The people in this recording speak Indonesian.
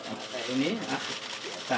saya ingin tahu semata mata